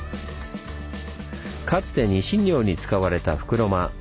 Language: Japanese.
かつてニシン漁に使われた袋澗。